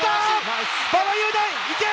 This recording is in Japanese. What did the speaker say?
馬場雄大、行け！